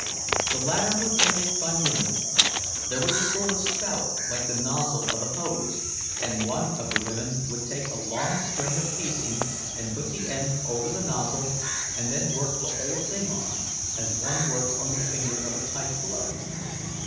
The latter were tended by women; there was a sort of spout, like the nozzle of a hose, and one of the women would take a long string of "casing" and put the end over the nozzle and then work the whole thing on, as one works on the finger of a tight glove.